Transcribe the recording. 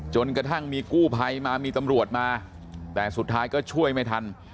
จนกระทั่งมีกู้ภัยมามีตำรวจมาแต่สุดท้ายก็ช่วยไม่ทัน